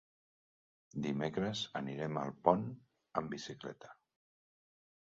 Dimecres anirem a Alpont amb bicicleta.